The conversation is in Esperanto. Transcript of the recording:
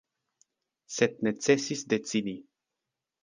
Sed necesis decidi.